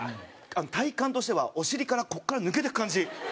体感としてはお尻からここから抜けていく感じ。